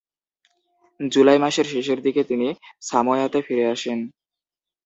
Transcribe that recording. জুলাই মাসের শেষের দিকে তিনি সামোয়াতে ফিরে আসেন।